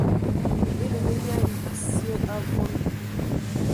Mina hm mii ayi bisie avol.